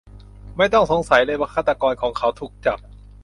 ไม่ต้องสงสัยเลยว่าฆาตกรของเขาถูกจับ